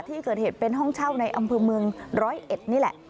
ที่เกิดเหตุเป็นห้องเช่าในอำเภอเมืองร้อยเอ็ดนี่แหละ